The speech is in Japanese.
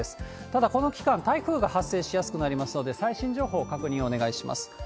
ただ、この期間、台風が発生しやすくなりますので、最新情報、確認をお願いします。